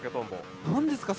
何ですか？